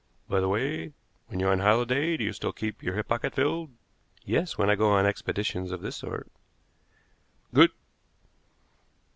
By the way, when you're on holiday do you still keep your hip pocket filled?" "Yes, when I go on expeditions of this sort." "Good!